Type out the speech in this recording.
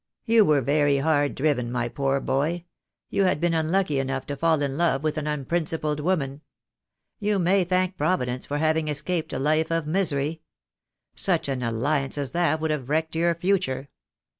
"You were very hard driven, my poor boy. You had been unlucky enough to fall in love with an unprincipled woman. You may thank Providence for having escaped a life of misery. Such an alliance as that would have wrecked your future.